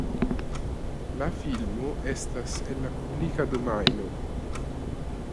La filmo estas en la publika domajno.